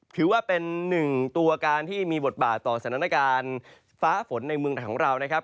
ถือว่าเป็นหนึ่งตัวการที่มีบทบาทต่อสถานการณ์ฟ้าฝนในเมืองไทยของเรานะครับ